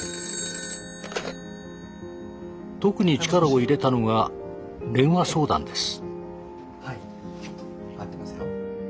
☎特に力を入れたのが電話相談です。